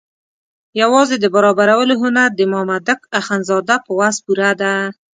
یوازې د برابرولو هنر د مامدک اخندزاده په وس پوره ده.